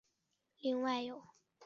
另外有医务室等等。